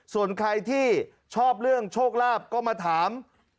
ส่วนใครที่ชอบเรื่องโชคลาภก็มาถาม